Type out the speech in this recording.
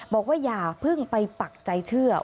บอกว่าอย่าเพิ่งไปปักใจเชื่อ